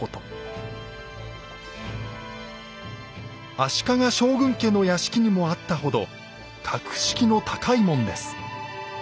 足利将軍家の屋敷にもあったほど格式の高い門です。